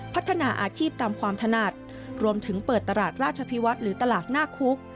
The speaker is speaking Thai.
พัฒนาอาชีพตามความถนัดรวมถึงเปิดตลาดราชพิวัฒน์หรือตลาดหน้าคุก